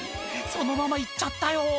そのまま行っちゃったよ